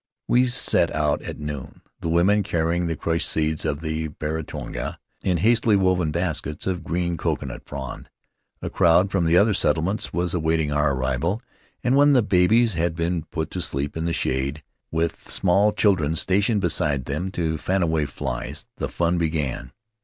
We set out at noon, the women carry ing the crushed seeds of the barringtonia in hastily woven baskets of green coconut frond. A crowd from the other settlements was awaiting our arrival; and when the babies had been put to sleep in the shade, with small children stationed beside them to fan away the flies, the fun began.